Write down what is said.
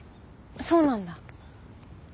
そうなんだ。